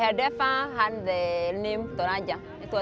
karena ini adalah waktu pertama saya